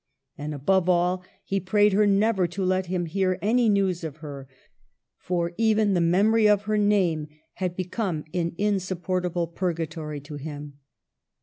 and, above all, he prayed her never to let him hear any news of her, for even the memory of her name had become an insupportable purgatory to him.